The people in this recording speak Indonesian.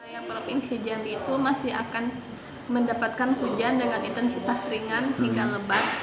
pada perlapin si jambi itu masih akan mendapatkan hujan dengan intensitas ringan hingga lebat